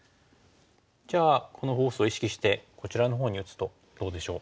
じゃあこのフォースを意識してこちらのほうに打つとどうでしょう？